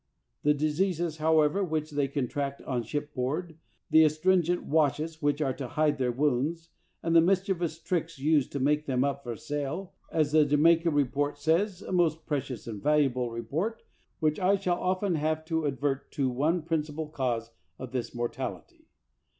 The diseases, however, which they con tract on shipboard, the astringent washes which are to hide their wounds, and the mischievous tricks used to make them up for sale, are, as the Jamaica report says — a most precious and valuable report, which I shall often have to ad vert to — one principal cause of this mortality.